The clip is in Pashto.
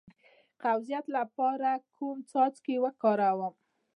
د قبضیت لپاره کوم څاڅکي وکاروم؟